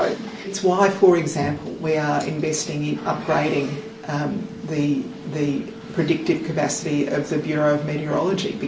itulah mengapa kita berinvestasi dalam mengubah kapasitas yang dipercaya dari bmi